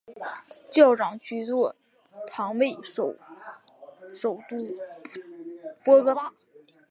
教长区座堂位于首都波哥大。